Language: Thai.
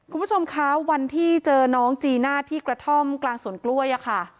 คุณผู้ชมคะวันที่เจอน้องจีน่าที่กระท่อมกลางสวนกล้วยอะค่ะ